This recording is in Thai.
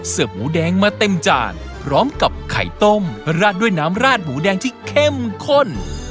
หมูแดงมาเต็มจานพร้อมกับไข่ต้มราดด้วยน้ำราดหมูแดงที่เข้มข้น